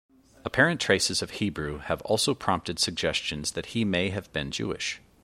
Apparent traces of Hebrew have also prompted suggestions that he may have been Jewish.